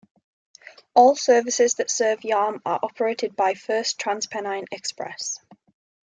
All services that serve Yarm are operated by First TransPennine Express.